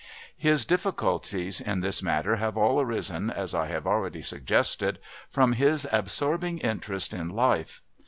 His difficulties in this matter have all arisen, as I have already suggested, from his absorbing interest in life.